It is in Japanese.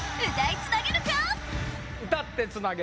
歌ってつなげ！